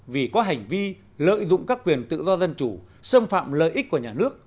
vì có hành vi lợi dụng các quyền tự do dân chủ xâm phạm lợi ích của nhà nước